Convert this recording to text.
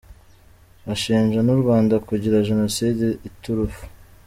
Bashinja n’u Rwanda kugira Jenoside iturufu.